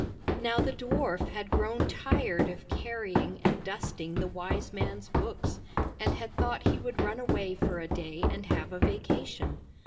Now the dwarf had grown tired of carrying and dusting the wise man's books, and had thought he would run away for a day and have a vacation.